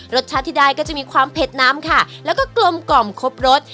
รสชาติที่ได้ก็จะมีความเผ็ดน้ำค่ะแล้วก็กลมกล่อมครบรส